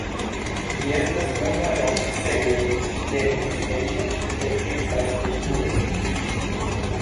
Ĝi estas unu el oficejoj de ministerio de infrastrukturo.